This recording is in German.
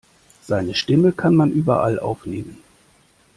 Seine Stimme kann man überall aufnehmen.